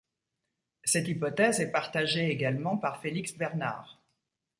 Cette hypothèse est partagée également par Félix Bernard.